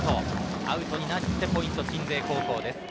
アウトになってポイント鎮西高校です。